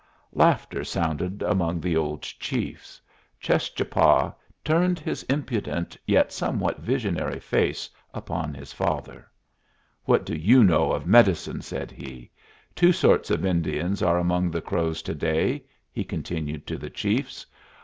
Laughter sounded among the old chiefs. Cheschapah turned his impudent yet somewhat visionary face upon his father. "What do you know of medicine?" said he. "Two sorts of Indians are among the Crows to day," he continued to the chiefs.